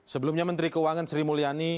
sebelumnya menteri keuangan sri mulyani